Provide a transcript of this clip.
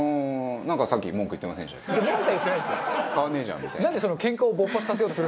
なんかさっき文句言ってませんでした？